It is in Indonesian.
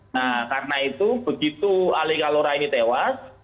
nah karena itu begitu ali kalora ini tewas